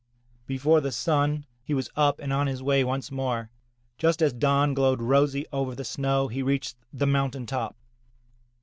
Before the sun, he was up and on his way once more. Just as dawn glowed rosy over the snow, he reached the mountain top.